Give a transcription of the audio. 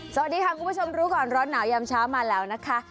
สวัสดีค่ะคุณผู้ชมรู้ก่อนร้อนหนาวยามเช้ามาแล้วนะคะ